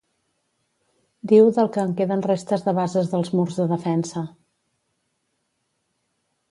Diu del que en queden restes de bases dels murs de defensa.